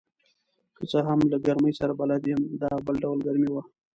که څه هم له ګرمۍ سره بلد یم، دا بل ډول ګرمي وه.